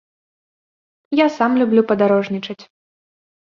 Я сам люблю падарожнічаць.